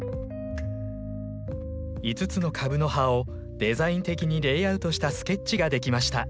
５つの株の葉をデザイン的にレイアウトしたスケッチが出来ました。